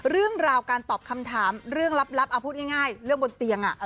เรื่องราวการตอบคำถามเรื่องลับเอาพูดง่ายเรื่องบนเตียง